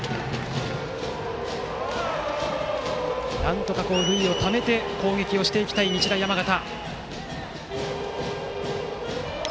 なんとか塁をためて攻撃をしていきたい日大山形。